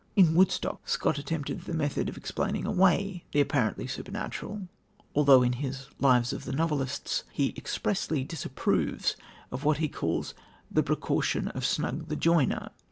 In Woodstock, Scott adopted the method of explaining away the apparently supernatural, although in his Lives of the Novelists he expressly disapproves of what he calls the "precaution of Snug the joiner."